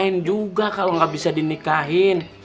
lain juga kalau nggak bisa dinikahin